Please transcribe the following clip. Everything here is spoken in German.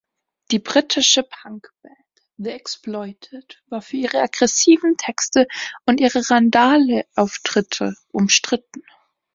Die britische Punkband „The Exploited“ war für ihre aggressiven Texte und ihre Randaleauftritte umstritten.